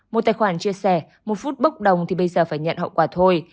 một tài khoản chia sẻ một phút bốc đồng thì bây giờ phải nhận hậu quả thôi